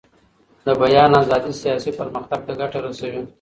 د بیان ازادي سیاسي پرمختګ ته ګټه رسوي